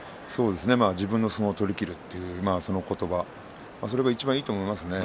自分の相撲を取りきるという、その言葉それがいちばんいいと思いますね。